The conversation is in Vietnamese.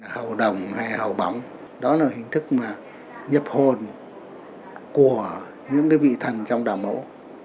hầu đồng hay hầu bóng đó là hình thức nhập hồn của những vị thần trong đạo mẫu